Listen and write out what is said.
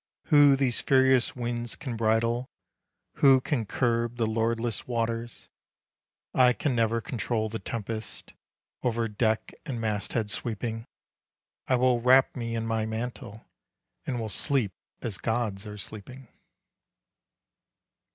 Who these furious winds can bridle? Who can curb the lordless waters? I can ne'er control the tempest, Over deck and masthead sweeping; I will wrap me in my mantle, And will sleep as gods are sleeping.